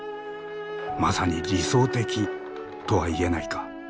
まさに理想的とは言えないか。